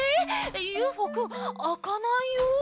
ＵＦＯくんあかないよ。